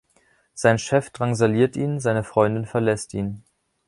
Sein Chef drangsaliert ihn, seine Freundin verlässt ihn.